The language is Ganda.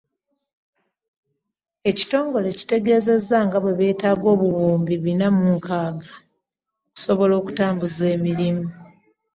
Ekitongole kitegeezezza nga bwe beetaaga obuwumbi Bina mu nkaaga okusobola okutambuza emirimu.